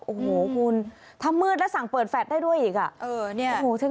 โอ้โฮคุณทำมืดแล้วสั่งเปิดแฟสได้ด้วยอีก